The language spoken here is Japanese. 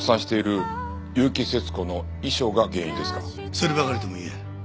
そればかりとも言えん。